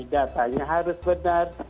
datanya harus benar